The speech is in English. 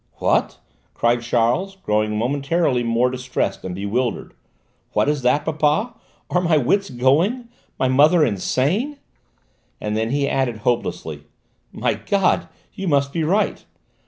"What?" cried Charles, growing momentarily more distressed and bewildered; "what is that, papa? Are my wits going? My mother insane?" And then he added hopelessly: "My God! You must be right!